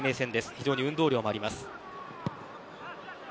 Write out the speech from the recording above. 非常に運動量もあります。